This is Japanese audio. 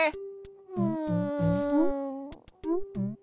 うん。